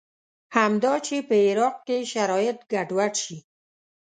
همدا چې په عراق کې شرایط ګډوډ شي.